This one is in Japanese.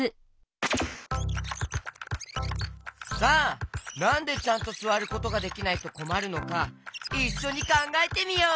さあなんでちゃんとすわることができないとこまるのかいっしょにかんがえてみよう！